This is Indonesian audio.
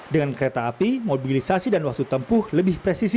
dengan kereta api mobilisasi dan waktu tempuh lebih presisi